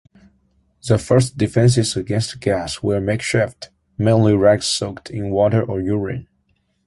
The first defenses against gas were makeshift, mainly rags soaked in water or urine.